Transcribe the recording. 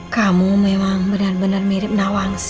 kamu memang benar benar mirip nawang